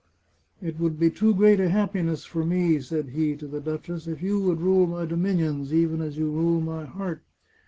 " It would be too great a happiness for me," said he to the duchess, " if you would rule my dominions, even as you rule my heart.